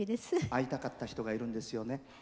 会いたかった人がいるんですよね？